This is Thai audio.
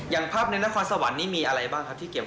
อย่างภาพในนครสวรรค์นี้มีอะไรบ้างครับที่เก็บ